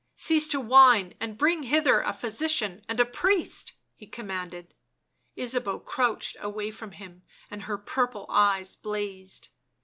" Cease to whine and bring hither a physician and a priest," he commanded. Ysabeau crouched away from him and her purple eyes blazed.